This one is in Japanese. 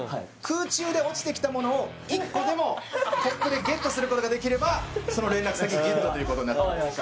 空中で落ちてきたものを１個でもコップでゲットすることができればその連絡先ゲットということになってます